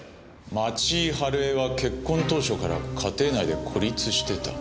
町井春枝は結婚当初から家庭内で孤立してた。